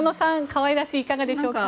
可愛らしい、いかがでしょうか。